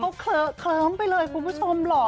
เขาเคลือขลามไปเลยคุณผู้ชม